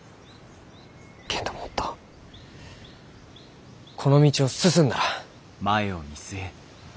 けんどもっとこの道を進んだら。